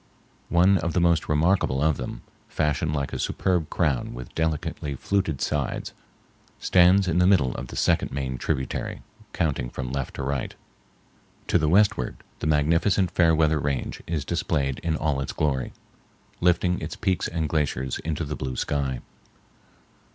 One of the most remarkable of them, fashioned like a superb crown with delicately fluted sides, stands in the middle of the second main tributary, counting from left to right. To the westward the magnificent Fairweather Range is displayed in all its glory, lifting its peaks and glaciers into the blue sky.